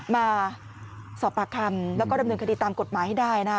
มาสอบปากคำแล้วก็ดำเนินคดีตามกฎหมายให้ได้นะ